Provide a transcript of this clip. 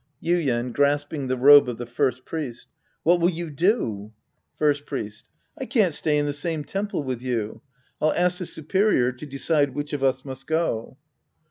Yuien {grasping the robe of the First Priest). What will you do ? First Priest. I can't stay in the sametemple withyou. I'll ask the superior to decide which of us must go.